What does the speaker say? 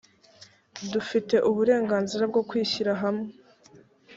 dufite uburenganzira bwo kwishyira hamwe.